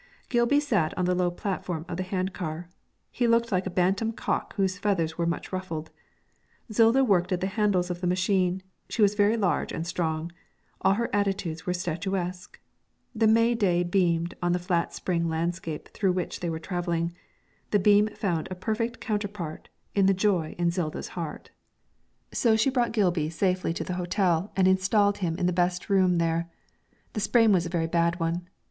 Gilby sat on the low platform of the hand car. He looked like a bantam cock whose feathers were much ruffled. Zilda worked at the handles of the machine; she was very large and strong, all her attitudes were statuesque. The May day beamed on the flat spring landscape through which they were travelling; the beam found a perfect counterpart in the joy of Zilda's heart. So she brought Gilby safely to the hotel and installed him in the best room there. The sprain was a very bad one.